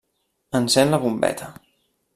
Encén la bombeta.